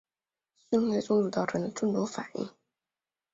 蕈类中毒造成的中毒反应。